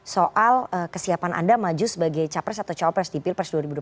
soal kesiapan anda maju sebagai capres atau cawapres di pilpres dua ribu dua puluh